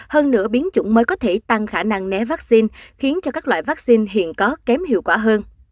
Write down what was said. hơn nữa biến chủng mới có thể tăng khả năng né vaccine khiến cho các loại vaccine hiện có kém hiệu quả hơn